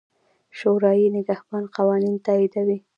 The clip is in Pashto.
شورای نګهبان قوانین تاییدوي.